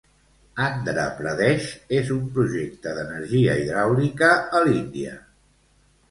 Andra Pradesh és un projecte d'energia hidràulica a l'Índia.